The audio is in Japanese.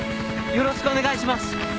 よろしくお願いします。